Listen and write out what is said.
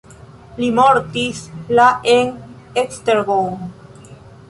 Li mortis la en Esztergom.